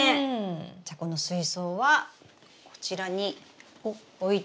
じゃこの水槽はこちらに置いときますね。